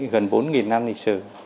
gần bốn năm lịch sử